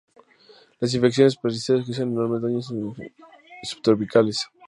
Las infecciones parasitarias causan enormes daños en las regiones tropicales y subtropicales.